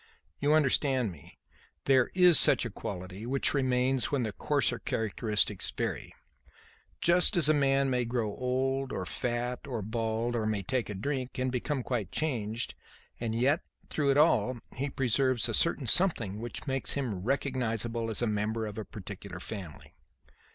You understand me. There is such a quality, which remains when the coarser characteristics vary; just as a man may grow old, or fat, or bald, or may take to drink, and become quite changed; and yet, through it all, he preserves a certain something which makes him recognizable as a member of a particular family.